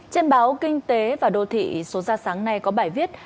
trên báo kinh tế và đô thị số ra sáng nay có bài viết